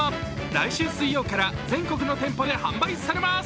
来週水曜から全国の店舗で販売されます。